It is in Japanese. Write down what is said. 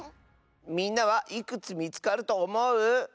みんなはいくつみつかるとおもう？